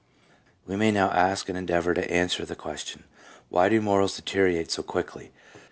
We may now ask and endeavour to answer the question, Why do morals deteriorate so quickly?